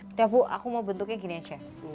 udah bu aku mau bentuknya gini aja